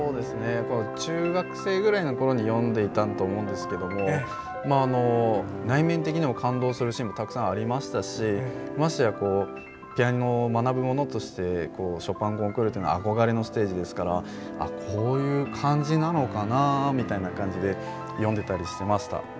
中学生ぐらいのころに読んでいたと思うんですが内面的にも感動するシーンがたくさんありましたし、ましてやピアノを学ぶ者としてショパンコンクールというのは憧れのステージですからこういう感じなのかなみたいな感じで読んでたりしていました。